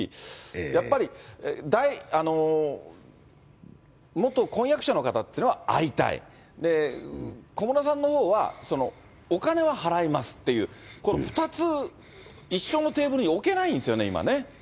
やっぱり、元婚約者の方っていうのは、会いたい、小室さんのほうは、そのお金は払いますっていう、この２つ一緒のテーブルに置けないんですよね、今ね。